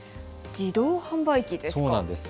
自動販売機ですか。